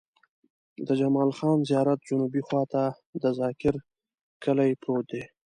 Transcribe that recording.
د جمال خان زيارت جنوبي خوا ته د ذاکر کلی پروت دی.